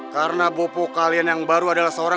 jawab dinda naungulan